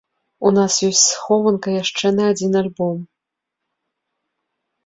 У нас ёсць схованка яшчэ на адзін альбом.